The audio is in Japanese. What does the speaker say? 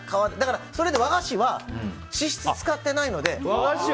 それで、和菓子は脂質を使ってないので。